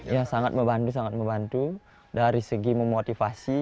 ya sangat membantu sangat membantu dari segi memotivasi